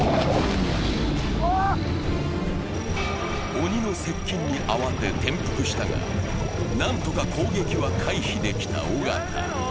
鬼の接近に慌て、転覆したが何とか攻撃は回避できた尾形。